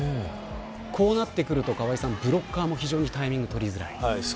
こうなってくるとブロッカーも非常にタイミングが取りづらい。